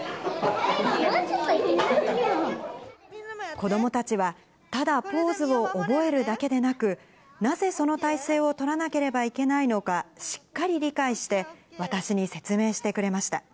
子どもたちは、ただポーズを覚えるだけでなく、なぜその体勢を取らなければいけないのか、しっかり理解して、私に説明してくれました。